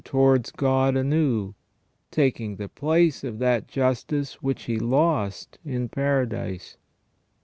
towards God anew, taking the place of that justice which he lost in Paradise.